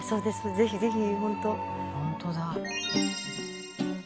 ぜひぜひホント」